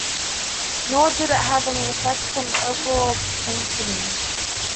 Nor did it have any effects on overall patenting.